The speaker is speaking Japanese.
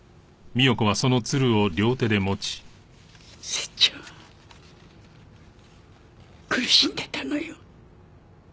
セッちゃんは苦しんでたのよ。